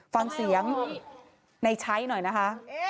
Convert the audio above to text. ฟังเสียงในใช้หน่อยนะคะ